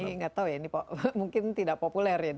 nah ini nggak tahu ya mungkin tidak populer ya